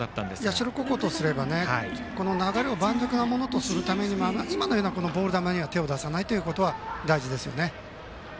社高校とすれば流れを盤石なものとするために今のようなボール球に手を出さないことは大事ですよね。